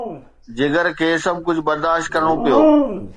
جگر کي سڀ ڪجهه برداشت ڪرڻو پيو.